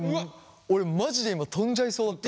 俺マジで今飛んじゃいそうだった。